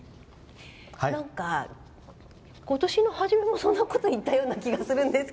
なんか今年の初めもそんなこといったような気がするんですが。